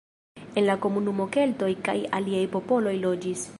En la komunumo keltoj kaj aliaj popoloj loĝis.